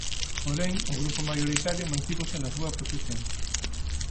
Porén, o grupo maioritario mantívose na súa posición.